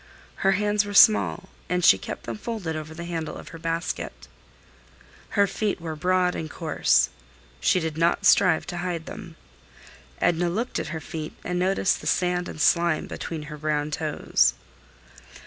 Her hands were small, and she kept them folded over the handle of her basket. Her feet were broad and coarse. She did not strive to hide them. Edna looked at her feet, and noticed the sand and slime between her brown toes.